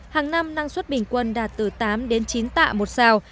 hàng năm năng suất bình quân đạt từ tám đến chín tạ một sao